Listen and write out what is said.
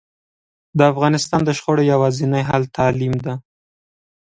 د افغانستان د شخړو یواځینی حل تعلیم ده